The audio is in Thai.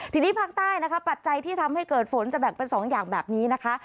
ทีนี้ภาคใต้นะคะปัจจัยที่ทำให้เกิดฝนจะแบ่งเป็น๒อย่างแบบนี้นะคะ